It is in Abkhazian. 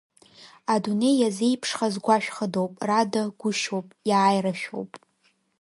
Адунеи иазеиԥшхаз гәашәхадоуп, Рада гәышьоуп, иааирашәоуп.